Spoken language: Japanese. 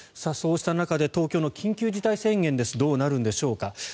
そうした中で東京の緊急事態宣言ですどうなるのでしょうか。